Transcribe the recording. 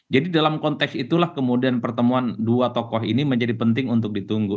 jadi dalam konteks itulah kemudian pertemuan dua tokoh ini menjadi penting untuk ditunggu